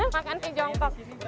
makan si jongkok